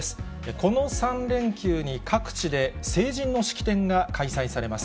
この３連休に各地で成人の式典が開催されます。